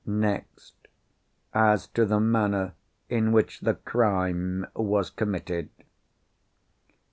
Next, as to the manner in which the crime was committed.